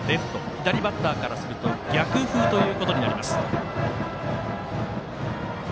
左バッターからすると逆風ということになります。